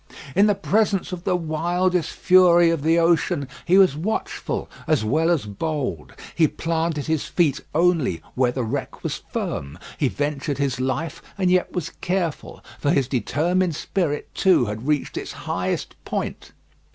In the presence of the wildest fury of the ocean he was watchful as well as bold. He planted his feet only where the wreck was firm. He ventured his life, and yet was careful; for his determined spirit, too, had reached its highest point.